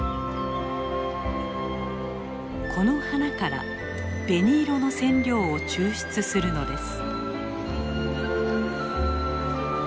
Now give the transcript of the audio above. この花から紅色の染料を抽出するのです。